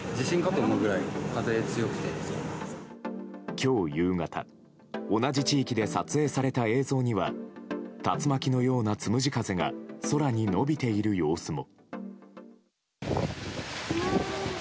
今日夕方同じ地域で撮影された映像には竜巻のようなつむじ風が空に伸びている様子も。